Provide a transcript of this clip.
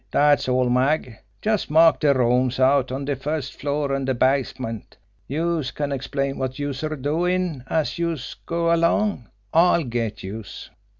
"Dat's all, Mag. Just mark de rooms out on de first floor, an' de basement. Youse can explain wot youse 're doin' as youse goes along. I'll get youse."